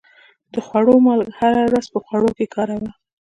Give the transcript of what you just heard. د خوړو مالګه هره ورځ په خوړو کې کاروو.